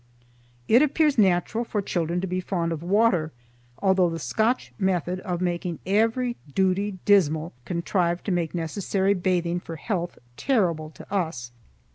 It appears natural for children to be fond of water, although the Scotch method of making every duty dismal contrived to make necessary bathing for health terrible to us.